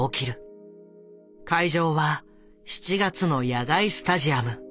会場は７月の野外スタジアム。